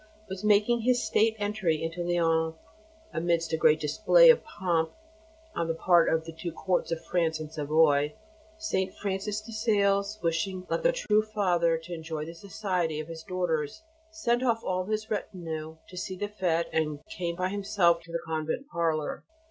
was making his state entry into Lyons amidst a great display of pomp on the part of the two courts of France and Savoy, St. Francis de Sales, wishing, like a true father, to enjoy the society of his daughters, sent off all his retinue to see the fête and came by himself to the Convent parlour.